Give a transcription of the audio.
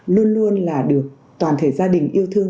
luôn luôn là được toàn thể gia đình yêu thương